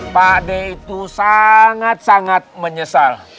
pak d itu sangat sangat menyesal